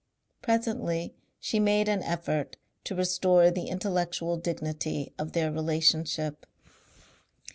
Presently she made an effort to restore the intellectual dignity of their relationship.